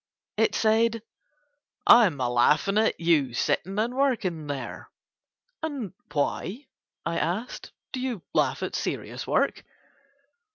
It said: "I'm a laughin' at you sittin' and workin' there." "And why," I asked, "do you laugh at serious work?"